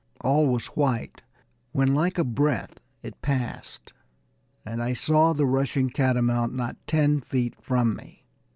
All was white, when, like a breath, it passed, and I saw the rushing catamount not ten feet from me.